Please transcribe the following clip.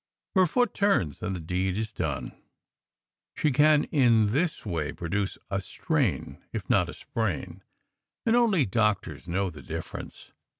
Her foot turns, and the deed is done. She can in this way produce a "strain," if not a "sprain"; and only doctors know the difference.